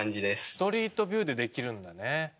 ストリートビューでできるんだね。